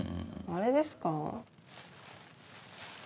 あれですか？